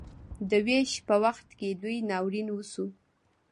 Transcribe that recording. د ویش په وخت کې لوی ناورین وشو.